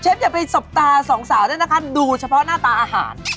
อย่าไปสบตาสองสาวด้วยนะคะดูเฉพาะหน้าตาอาหาร